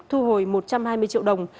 thu hồi một trăm hai mươi triệu đồng